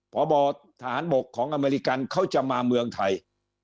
พบทหารบกของอเมริกันเขาจะมาเมืองไทย